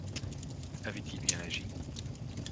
Avait-il bien agi ?